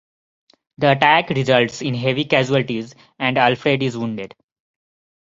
The attack results in heavy casualties and Alfred is wounded.